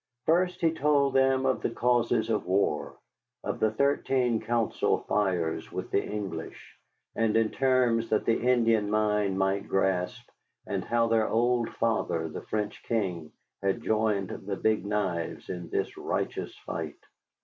First he told them of the causes of war, of the thirteen council fires with the English, and in terms that the Indian mind might grasp, and how their old father, the French King, had joined the Big Knives in this righteous fight.